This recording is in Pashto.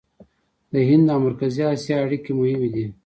د هند او مرکزي اسیا اړیکې مهمې دي.